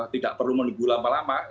tidak perlu menunggu lama lama